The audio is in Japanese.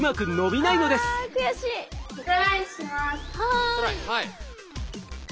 はい。